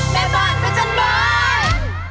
แม่บ้านเหลือจันบลาย